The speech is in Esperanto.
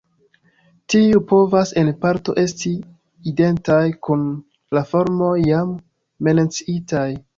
Tiuj povas en parto esti identaj kun la formoj jam menciitaj.